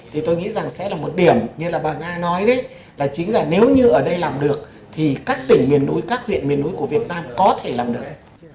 thì tôi nghĩ rằng sẽ là một điểm như là bà nga nói đấy là chính là nếu như ở đây làm được thì các tỉnh miền núi các huyện miền núi của việt nam có thể làm được